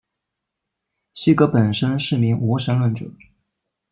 席格本身是名无神论者。